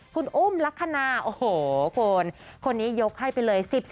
คุณอุ้มลักษณะโอ้โหคุณคนนี้ยกให้ไปเลย